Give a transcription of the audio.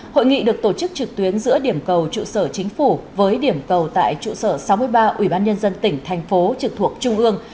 hội nghị được tổ chức trực tuyến giữa điểm cầu trụ sở chính phủ với điểm cầu tại trụ sở sáu mươi ba ủy ban nhân dân tỉnh thành phố trực thuộc trung ương